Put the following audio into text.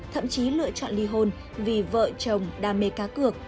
thậm chí lựa chọn ly hôn vì vợ chồng đam mê cá cược